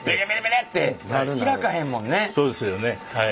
そうですよねはい。